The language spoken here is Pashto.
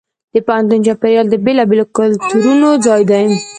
د پوهنتون چاپېریال د بېلابېلو کلتورونو ځای دی.